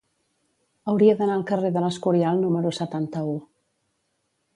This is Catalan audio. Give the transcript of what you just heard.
Hauria d'anar al carrer de l'Escorial número setanta-u.